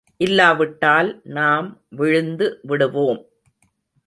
இல்லாவிட்டால் நாம் விழுந்து விடுவோம்!